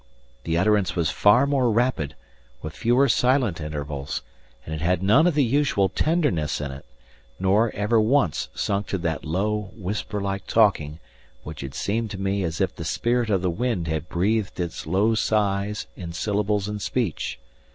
The utterance was far more rapid, with fewer silent intervals, and it had none of the usual tenderness in it, nor ever once sunk to that low, whisper like talking which had seemed to me as if the spirit of the wind had breathed its low sighs in syllables and speech.